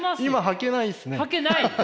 はけないですね。